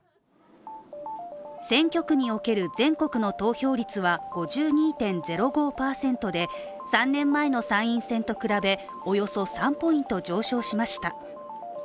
選挙区における全国の投票率は５２．０５％で、３年前の参院選と比べ、およそ３ポイント上昇しました。